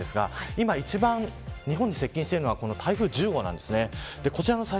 今、一番日本に接近しているのは台風１０号です。